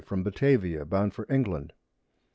from Batavia, bound for England.